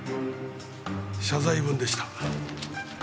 謝罪文でした。